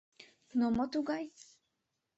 Но мо тугай?